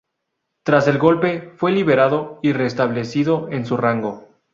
Tras el golpe fue liberado y restablecido en su rango.